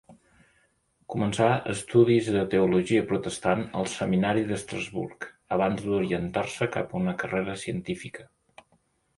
Començà estudis de teologia protestant al seminari d'Estrasburg abans d'orientar-se cap a una carrera científica.